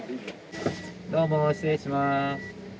どうも失礼します。